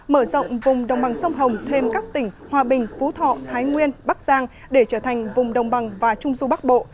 mở rộng vùng đồng bằng sông hồng thêm các tỉnh hòa bình phú thọ thái nguyên bắc giang để trở thành vùng đồng bằng và trung du bắc bộ